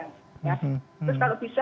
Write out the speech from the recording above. terus apakah ada penyakit penyerta yang kita ada